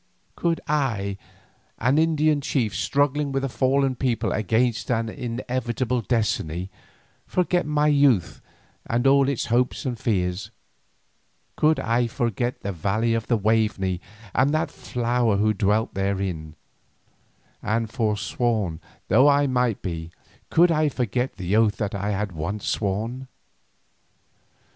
Could I, an Indian chief struggling with a fallen people against an inevitable destiny, forget my youth and all its hopes and fears, could I forget the valley of the Waveney and that Flower who dwelt therein, and forsworn though I might be, could I forget the oath that I once had sworn?